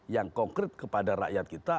yang konkret kepada rakyat kita